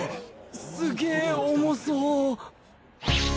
すげえ重そう！